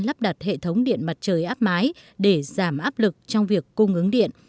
lắp đặt hệ thống điện mặt trời áp mái để giảm áp lực trong việc cung ứng điện